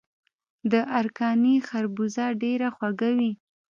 د ارکاني خربوزه ډیره خوږه وي.